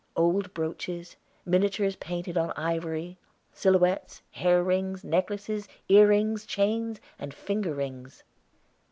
Old brooches, miniatures painted on ivory, silhouettes, hair rings, necklaces, ear rings, chains, and finger rings.